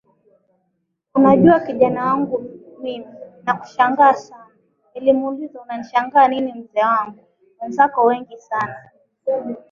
Unajua kijana wangu mimi nakushangaa sana Nilimuuliza unanishangaa nini mzee wangu Wenzako wengi sana